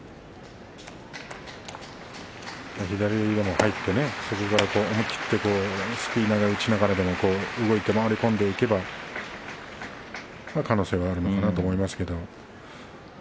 左に入って、思い切ってすくい投げにしながらでも動いて回り込んでいけば可能性はあるのかなと思います。